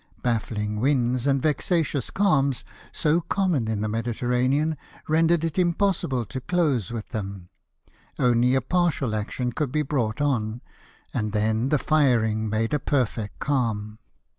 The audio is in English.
Baflling winds and vexatious calms, so common in the Mediter ranean, rendered it iijcipossible to close with them ; only a partial action could be brought on, and then the firing made a perfect calm.